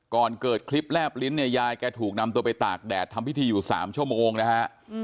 ก่อนเกิดคลิปแลบลิ้นเนี่ยยายแกถูกนำตัวไปตากแดดทำพิธีอยู่๓ชั่วโมงนะฮะ